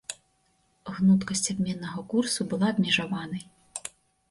Гнуткасць абменнага курсу была абмежаванай.